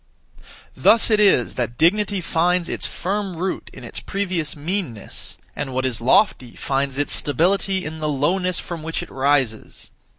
Thus it is that dignity finds its (firm) root in its (previous) meanness, and what is lofty finds its stability in the lowness (from which it rises).